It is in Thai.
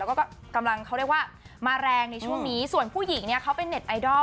แล้วก็กำลังเขาเรียกว่ามาแรงในช่วงนี้ส่วนผู้หญิงเนี่ยเขาเป็นเน็ตไอดอล